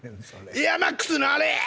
エアマックスのあれや！